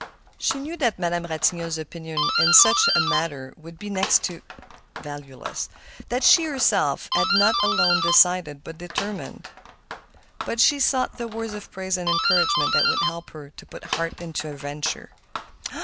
She knew that Madame Ratignolle's opinion in such a matter would be next to valueless, that she herself had not alone decided, but determined; but she sought the words of praise and encouragement that would help her to put heart into her venture.